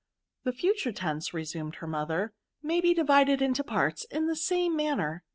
" The future tense," resumed her mother, << may be divided into parts, in the same man«* ner.